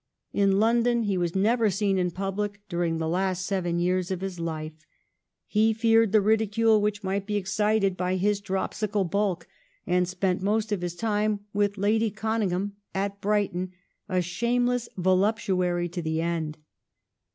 In London he was never seen in public during the last seven years of his life. He feared the ridicule which might be excited by his dropsical bulk, and spent most of his time with Lady Conyngham at Brighton — a shameless voluptuary to the end.